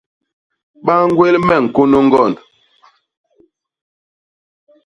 Ba ñgwél me ñkônô ñgond.